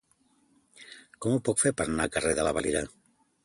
Com ho puc fer per anar al carrer de la Valira?